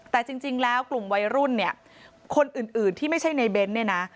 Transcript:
แต่จริงแล้วกลุ่มวัยรุ่นคนอื่นที่ไม่ใช่ในเบนส์